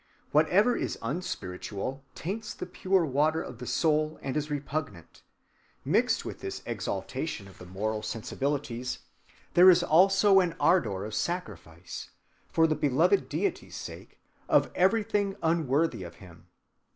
Whatever is unspiritual taints the pure water of the soul and is repugnant. Mixed with this exaltation of the moral sensibilities there is also an ardor of sacrifice, for the beloved deity's sake, of everything unworthy of him.